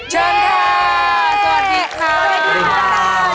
เชิญเธอ